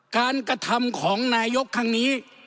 กระทำของนายกครั้งนี้